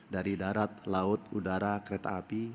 dari darat laut udara kereta api